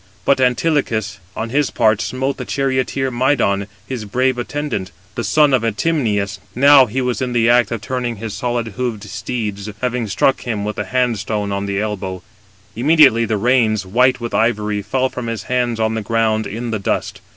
But Antilochus on his part smote the charioteer Mydon, his brave attendant, the son of Atymnias (now he was in the act of turning his solid hoofed steeds), having struck him with a hand stone on the elbow; immediately the reins, white with ivory, fell from his hands on the ground in the dust.